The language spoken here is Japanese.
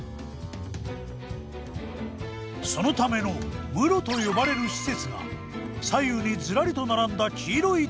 そのための室と呼ばれる施設が左右にズラリと並んだ黄色い扉！